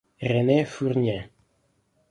René Fournier